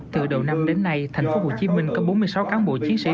từ đầu năm đến nay tp hcm có bốn mươi sáu cán bộ chiến sĩ